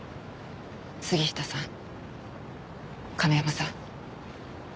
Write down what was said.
杉下さん亀山さん。